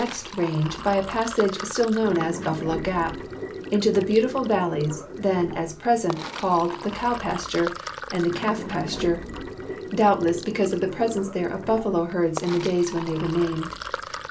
xt range by a passage still known as " Buffalo Ca])," into the l)eautiful valleys, then, as at present, called the " Cow Pasture " and the "Calf Pasture," doul)tless l)ecause of the presence there of buffalo herds in the days when they were named.